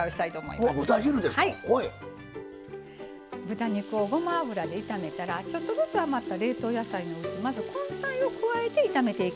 豚肉をごま油で炒めたらちょっとずつ余った冷凍野菜のうちまず根菜を加えて炒めていきます。